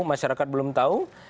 masyarakat belum tahu